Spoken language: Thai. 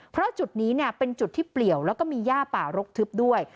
เพราะจุดนี้เป็นจุดที่เปลี่ยวแล้วก็มีย่าป่ารกทึบด้วย